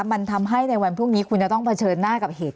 มันทำให้ในวันพรุ่งนี้คุณจะต้องเผชิญหน้ากับเหตุ